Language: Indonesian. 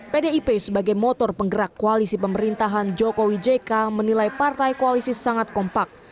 pdip sebagai motor penggerak koalisi pemerintahan jokowi jk menilai partai koalisi sangat kompak